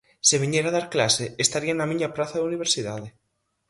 Se viñera dar clase, estaría na miña praza da universidade.